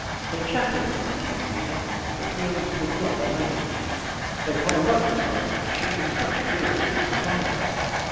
They chattered as they came near, but we understood not their language. They climbed up the sides of the ship with such agility as surprised us.